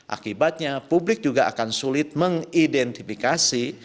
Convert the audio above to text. akibatnya publik juga akan sulit mengidentifikasi